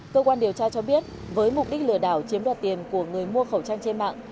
cơ quan điều tra cho biết với mục đích lừa đảo chiếm đoạt tiền của người mua khẩu trang trên mạng